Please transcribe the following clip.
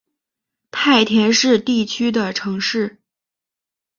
太田市地区的城市。